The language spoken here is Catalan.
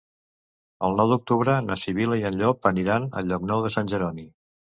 El nou d'octubre na Sibil·la i en Llop aniran a Llocnou de Sant Jeroni.